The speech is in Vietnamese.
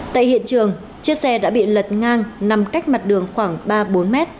tại hiện trường chiếc xe đã bị lật ngang nằm cách mặt đường khoảng ba bốn m